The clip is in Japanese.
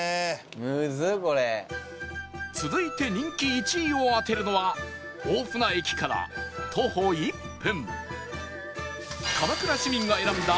続いて人気１位を当てるのは大船駅から徒歩１分